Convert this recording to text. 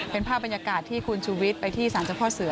เป็นภาพบรรยากาศที่คุณชูวิทย์ไปที่สารเจ้าพ่อเสือ